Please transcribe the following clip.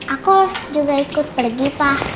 aku juga ikut pergi pak